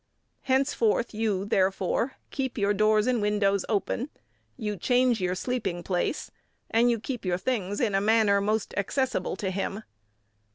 Henceforth you, therefore, keep your doors and windows open; you change your sleeping place, and you keep your things in a manner most accessible to him.